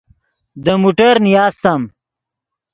دے موٹر نیاستم